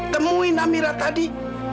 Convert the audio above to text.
temuin amira tadi